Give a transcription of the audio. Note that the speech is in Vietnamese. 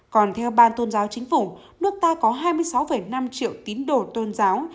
còn theo ban tôn giáo chính phủ nước ta có hai mươi sáu năm triệu tín đồ tôn giáo